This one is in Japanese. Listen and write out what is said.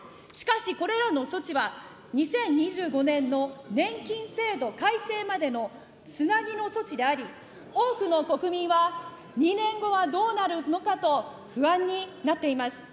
しかしこれらの措置は、２０２５年の年金制度改正までのつなぎの措置であり、多くの国民は２年後はどうなるのかと不安になっています。